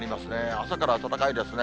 朝から暖かいですね。